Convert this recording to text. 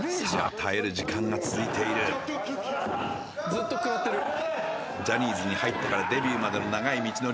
耐える時間が続いているジャニーズに入ってからデビューまでの長い道のり